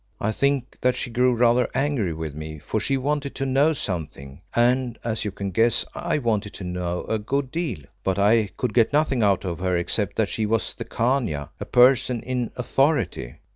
I think that she grew rather angry with me, for she wanted to know something, and, as you can guess, I wanted to know a good deal. But I could get nothing out of her except that she was the Khania a person in authority.